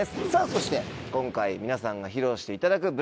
そして今回皆さんが披露していただく。